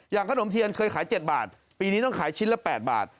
ขนมเทียนเคยขาย๗บาทปีนี้ต้องขายชิ้นละ๘บาท